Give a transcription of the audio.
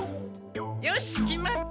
よし決まった。